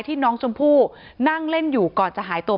ที่มีข่าวเรื่องน้องหายตัว